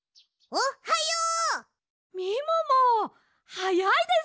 おはよう。